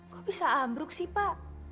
kok bisa ambruk sih pak